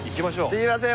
すいません。